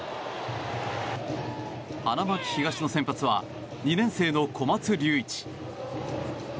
花巻東の先発は２年生の小松龍一。